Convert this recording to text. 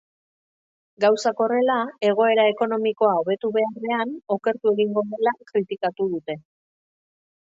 Gauzak horrela, egoera ekonomikoa hobetu beharrean, okertu egingo dela kritikatu dute.